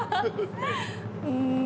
うん。